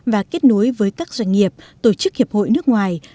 và kết nối với các doanh nghiệp tổ chức hiệp hội nước ngoài